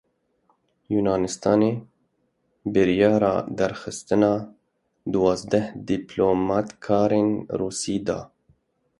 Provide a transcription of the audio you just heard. Yûnanistanê biryara derxistina duwazdeh dîplomatkarên Rûsî da.